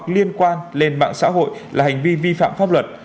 liên quan lên mạng xã hội là hành vi vi phạm pháp luật